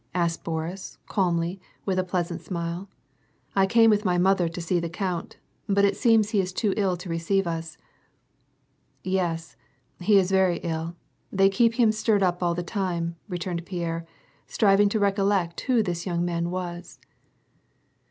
" asked Boris, calmly, with a pleasant smile. " I came with my mother to see the count, but it seems he is too ill to receive us." "Yes, he is very ill. They keep him stirred up all the time," returned Pierre, striving to recollect who this young man was.